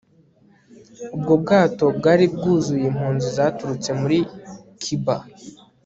Ubwo bwato bwari bwuzuye impunzi zaturutse muri Cuba